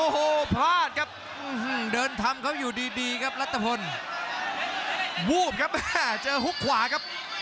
โอ้โหพลาดครับเดินทำเขาอยู่ดีดีครับรัฐพลวูบครับเจอฮุกขวาครับ